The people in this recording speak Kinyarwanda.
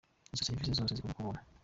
Izo serivise zose zikorwa ku buntu.